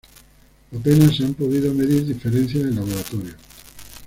Apenas se han podido medir diferencias en laboratorio.